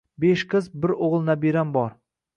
besh qiz, bir o’g’il nabiram bor.